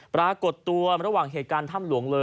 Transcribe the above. ปรากฏตัวระหว่างเหตุการณ์ถ้ำหลวงเลย